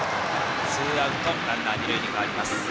ツーアウトランナー二塁に変わります。